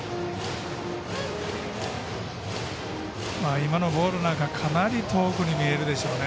今のボールなんかかなり遠くに見えるでしょうね。